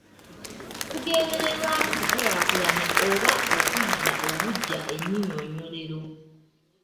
Kugendererwamu kukulaakulanya oba okuzza obuggya ennyinyonnyolero.